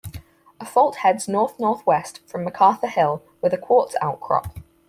A fault heads north-north-west from Macarthur Hill with a quartz outcrop.